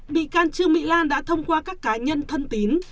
bị can trương mỹ lan đã thông qua các cá nhân thân tín